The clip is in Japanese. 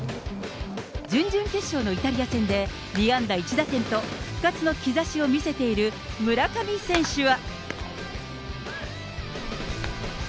準々決勝のイタリア戦で２安打１打点と復活の兆しを見せている村上選手は。